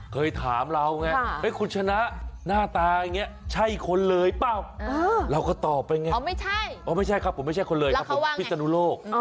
เคยถามเราไงคุณชนะหน้าตาอย่างนี้ใช่คนเลยเปล่าเราก็ตอบไปไงไม่ใช่ครับผมไม่ใช่คนเลยครับผมพิศนุโลก